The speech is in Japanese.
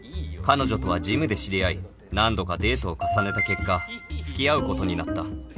彼女とはジムで知り合い何度かデートを重ねた結果付き合うことになった